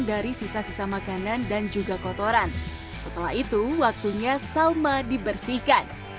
dari sisa sisa makanan dan juga kotoran setelah itu waktunya salma dibersihkan